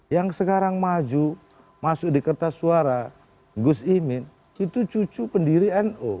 yang sekarang maju masuk di kertas suara gus imin itu cucu pendiri nu